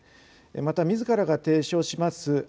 また、みずからが提唱します